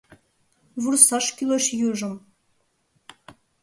Вурсаш кӱлеш южым.